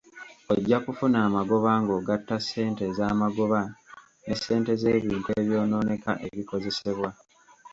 Ojja kufuna amagoba ng’ogatta ssente ez’amagoba ne ssente z’ebintu ebyonooneka ebikozesebwa.